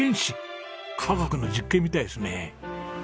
化学の実験みたいですね。